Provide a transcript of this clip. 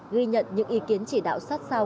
ghi nhận những ý kiến chỉ đạo sát sao